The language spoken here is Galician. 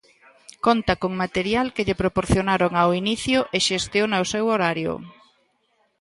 Conta con material que lle proporcionaron ao inicio e xestiona o seu horario.